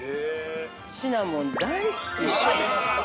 ◆シナモン大好き